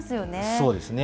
そうですね。